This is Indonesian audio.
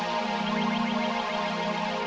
akhirnya steve mungkin keluar